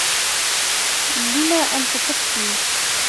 لم أنت تبكي؟